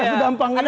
gak segampang gitu